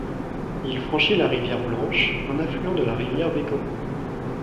Il franchit la rivière Blanche, un affluent de la rivière Bécancour.